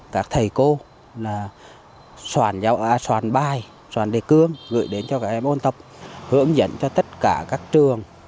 các thầy cô là soàn bài soàn đề cương gửi đến cho các em ôn tập hướng dẫn cho tất cả các trường